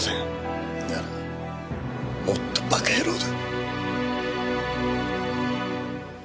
ならもっと馬鹿野郎だ。